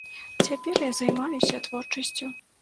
Цяпер я займаюся творчасцю.